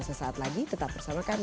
sesaat lagi tetap bersama kami